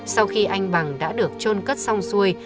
sau khi anh bằng đã được trôn cất xong xuôi